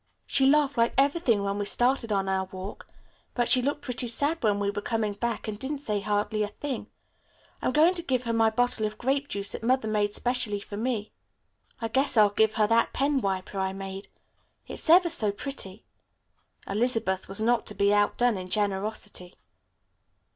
"She laughed like everything when we started on our walk, but she looked pretty sad when we were coming back and didn't say hardly a thing. I'm going to give her my bottle of grape juice that Mother made specially for me." "I guess I'll give her that pen wiper I made. It's ever so pretty." Elizabeth was not to be outdone in generosity.